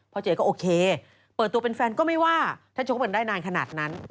เจ๊ก็โอเคเปิดตัวเป็นแฟนก็ไม่ว่าถ้าชกมันได้นานขนาดนั้น